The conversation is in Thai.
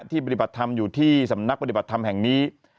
ปฏิบัติธรรมอยู่ที่สำนักปฏิบัติธรรมแห่งนี้